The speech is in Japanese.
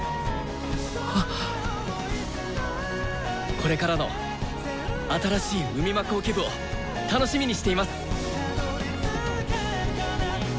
これからの新しい海幕オケ部を楽しみにしています。